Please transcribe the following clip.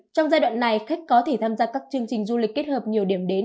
trong giai đoạn này khách có thể tham gia các chương trình du lịch kết hợp nhiều điểm đến